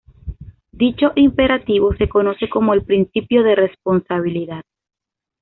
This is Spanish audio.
Dicho imperativo se conoce como el principio de responsabilidad.